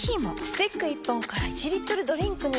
スティック１本から１リットルドリンクに！